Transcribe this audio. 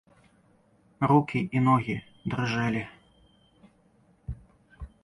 Рукі і ногі дрыжэлі.